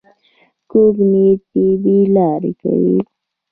کوږ نیت بې لارې کوي